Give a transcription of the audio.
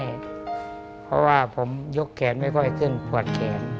เพราะว่าผมยกแขนไม่ค่อยขึ้นปวดแขน